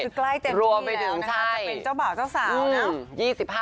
ก็คือใกล้เจ็บที่แล้วจะเป็นเจ้าบ่าวเจ้าสาวนะ